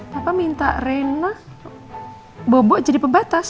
papa minta rena bubuk jadi pembatas